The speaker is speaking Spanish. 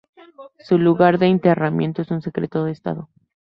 Su lugar de enterramiento es un secreto de Estado.